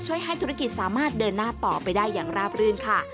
ให้ธุรกิจสามารถเดินหน้าต่อไปได้อย่างราบรื่นค่ะ